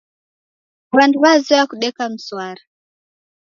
W'andu w'azoya kudeka mswara.